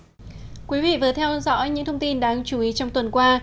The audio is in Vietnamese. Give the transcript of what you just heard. thưa quý vị vừa theo dõi những thông tin đáng chú ý trong tuần qua